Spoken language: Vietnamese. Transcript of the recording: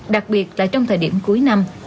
đặc biệt là trong thời điểm cuối năm